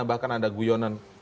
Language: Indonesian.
bahkan ada guyonan